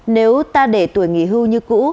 nếu ta để tuổi nghỉ hưu như cũ